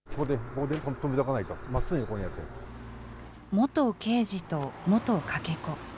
元刑事と元かけ子。